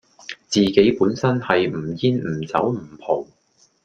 自己本身係唔煙唔酒唔浦